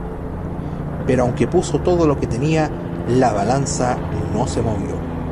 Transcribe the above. Pero aunque puso todo lo que tenía, la balanza no se movió.